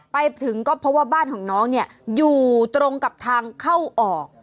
ไปถึงก็เพราะว่าบ้านของน้องเนี่ยอยู่ตรงกับทางเข้าออก